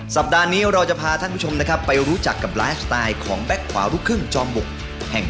สัปดาห์นี้เราจะพาท่านผู้ชมนะครับไปรู้จักกับไลฟ์สไตล์ของแบ็คขวาลูกครึ่งจอมบุกแห่ง